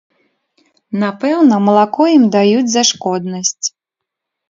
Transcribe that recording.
Напэўна, малако ім даюць за шкоднасць.